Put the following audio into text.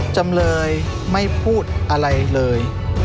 จำเลยไม่พูดอะไรเลย